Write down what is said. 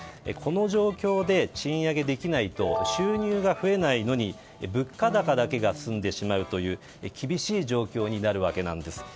この状況で賃上げできないと収入が増えないのに物価高だけが進んでしまうという厳しい状況になるわけなんです。